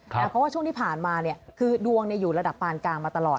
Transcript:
เพราะว่าช่วงที่ผ่านมาคือดวงอยู่ระดับปานกลางมาตลอด